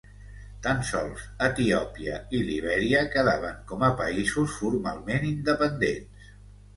Tan sols Etiòpia i Libèria quedaven com a països formalment independents.